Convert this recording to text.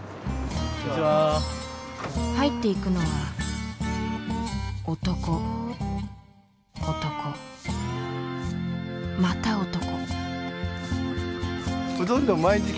入っていくのは男男また男。